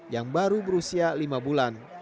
yang baru berusia lima bulan